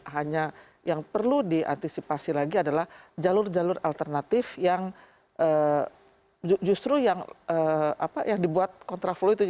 hanya yang perlu diantisipasi lagi adalah jalur jalur alternatif yang justru yang dibuat kontraflow itu